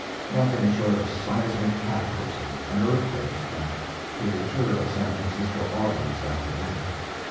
Nothing short of a seismic cataclysm an earthquake, in fact could deter a San Francisco audience after that.